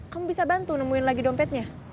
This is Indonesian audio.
kamu bisa bantu nemuin lagi dompetnya